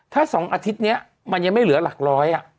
ถ้า๒อาทิตย์นี้มันยังไม่เหลือหลักร้อย